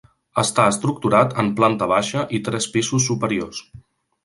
Està estructurat en planta baixa i tres pisos superiors.